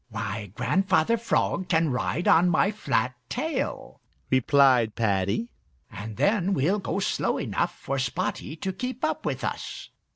"Why, Grandfather Frog can ride on my flat tail," replied Paddy, "and then we'll go slow enough for Spotty to keep up with us."